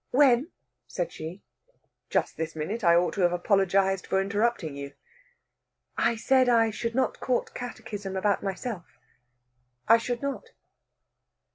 "When?" said she. "Just this minute. I ought to have apologized for interrupting you." "I said I should not court catechism about myself. I should not."